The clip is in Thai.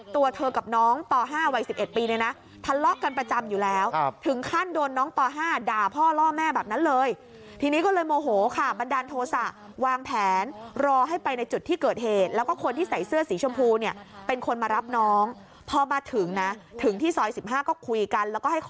ตัวเธอกับน้องป๕วัย๑๑ปีเนี่ยนะทะเลาะกันประจำอยู่แล้วถึงขั้นโดนน้องป๕ด่าพ่อล่อแม่แบบนั้นเลยทีนี้ก็เลยโมโหค่ะบันดาลโทษะวางแผนรอให้ไปในจุดที่เกิดเหตุแล้วก็คนที่ใส่เสื้อสีชมพูเนี่ยเป็นคนมารับน้องพอมาถึงนะถึงที่ซอย๑๕ก็คุยกันแล้วก็ให้ค